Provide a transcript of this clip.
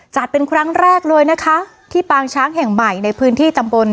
เป็นครั้งแรกเลยนะคะที่ปางช้างแห่งใหม่ในพื้นที่ตำบล